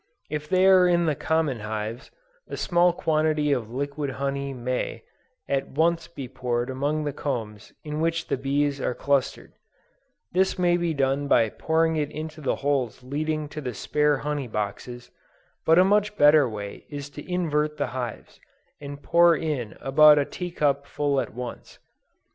If they are in the common hives, a small quantity of liquid honey may, at once be poured among the combs in which the bees are clustered: this may be done by pouring it into the holes leading to the spare honey boxes, but a much better way is to invert the hives, and pour in about a tea cup full at once.